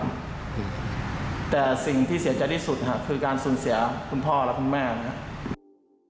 แต่สิ่งที่เสียใจที่สุดค่ะคือการสูญเสียคุณพ่อและคุณแม่นะครับ